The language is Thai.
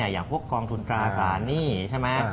อย่างพวกกองทุนตราสารหนี้ใช่ไหม